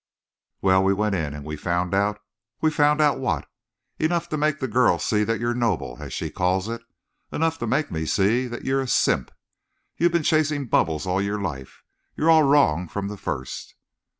"Well, we went in, and we found out. We found out what? Enough to make the girl see that you're 'noble,' as she calls it. Enough to make me see that you're a simp. You've been chasing bubbles all your life. You're all wrong from the first.